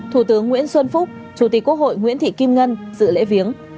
thủ tướng nguyễn xuân phúc chủ tịch quốc hội nguyễn thị kim ngân dự lễ viếng